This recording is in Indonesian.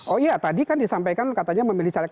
oh iya tadi kan disampaikan katanya memilih caleg